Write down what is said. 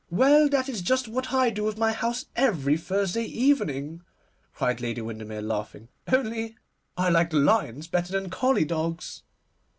'Well, that is just what I do with my house every Thursday evening,' cried Lady Windermere, laughing, 'only I like lions better than collie dogs.